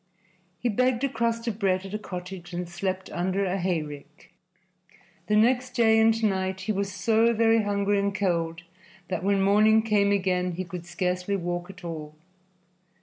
He begged a crust of bread at a cottage and slept under a hayrick. The next day and night he was so very hungry and cold that when morning came again he could scarcely walk at all.